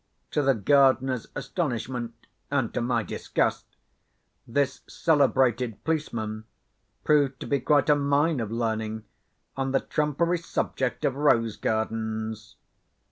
To the gardener's astonishment, and to my disgust, this celebrated policeman proved to be quite a mine of learning on the trumpery subject of rose gardens.